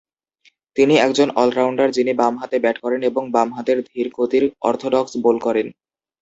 তিনি একজন অলরাউন্ডার যিনি বামহাতে ব্যাট করেন এবং বাম হাতের ধীর গতির অর্থোডক্স বোল করেন।